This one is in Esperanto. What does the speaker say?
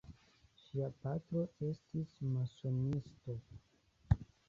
Ŝia patro estis masonisto.